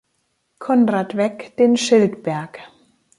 Conrad Weck den "Schildberg".